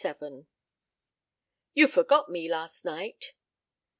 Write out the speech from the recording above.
XLVII "You forgot me last night."